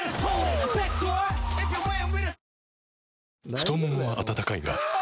太ももは温かいがあ！